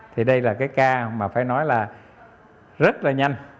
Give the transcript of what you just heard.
thì đây là cái ca mà phải nói là rất là nhanh